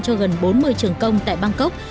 cho gần bốn mươi trường công tại bangkok